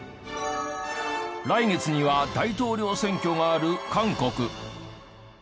来月には大統領選挙がある韓国。